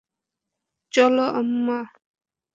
চলো, আম্মা।